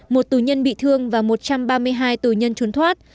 một tù nhân bị thương và một trăm ba mươi hai tù nhân trốn thoát